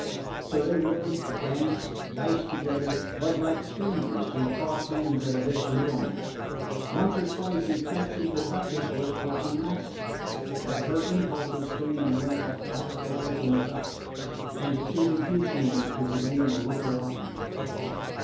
So they rode, danced, diced together, but like strangers who cross hands at a veglione. Once or twice he fancied the Duchess was for unmasking; but her impulses came and went like fireflies in the dusk, and it suited his humour to remain a looker on.